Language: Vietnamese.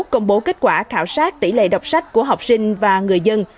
công bố kết quả khảo sát tỷ lệ đọc sách của học sinh và người dân